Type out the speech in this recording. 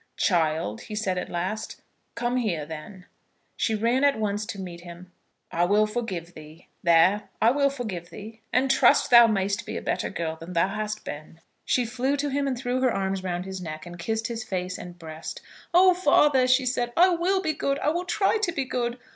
"Child," he said at last, "come here, then." She ran at once to meet him. "I will forgive thee. There. I will forgive thee, and trust thou may'st be a better girl than thou hast been." She flew to him and threw her arms round his neck and kissed his face and breast. "Oh, father," she said, "I will be good. I will try to be good.